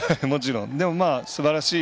でも、すばらしい。